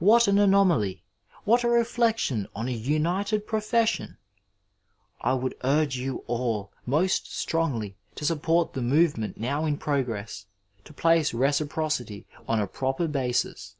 What an anomaly ! What a reflection on a united pro fession ! I would urge you all most strongjly to support the movement now in progress to place reciprocity cm a proper basis.